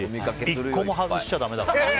１個も外しちゃダメだからね。